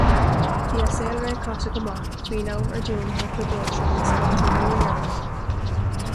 Bhí a saolré caite go maith faoin am ar dúnadh a cuid doirse mar scoil den uair dheireanach.